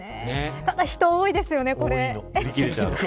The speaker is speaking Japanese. ただ、人が多いんですよね。